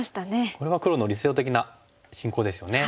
これは黒の理想的な進行ですよね。